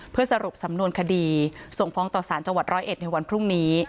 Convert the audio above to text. เพื่อสรุปสำนวนคดีส่งฟ้องต่อสารจังหวัดร้อยเอ็ดในวันพรุ่งนี้